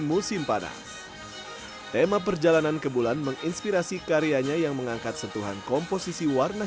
musim panas tema perjalanan ke bulan menginspirasi karyanya yang mengangkat sentuhan komposisi warna